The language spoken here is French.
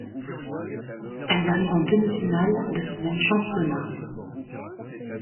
Elles arrivent en demi-finales de ce même championnat.